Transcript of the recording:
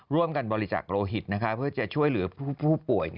ร่วมกันบริจาคโลหิตเพื่อจะช่วยเหลือผู้ป่วย